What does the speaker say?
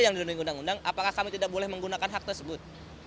yang diundungi undang undang apakah kami tidak boleh menggunakan hak tersebut